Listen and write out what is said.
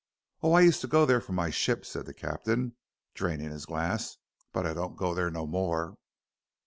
"Oh, I used t'go there for my ship," said the captain, draining his glass, "but I don't go there no more."